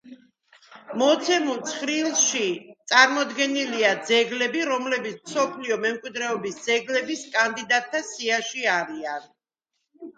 მოცემულ ცხრილში წარმოდგენილია ძეგლები, რომლებიც მსოფლიო მემკვიდრეობის ძეგლების კანდიდატთა სიაში არიან.